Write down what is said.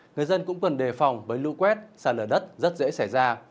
người dân cũng cần đề phòng với lũ quét xa lở đất rất dễ xảy ra